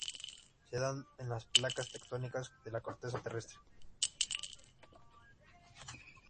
Se da en las placas tectónicas de la corteza terrestre.